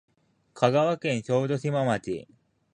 香川県小豆島町